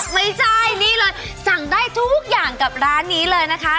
ไม่ใช่นี่เลยสั่งได้ทุกอย่างกับร้านนี้เลยนะคะ